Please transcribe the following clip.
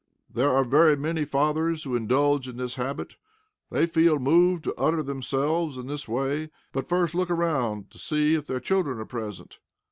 There are very many fathers who indulge in this habit. They feel moved to utter themselves in this way, but first look around to see if their children are present.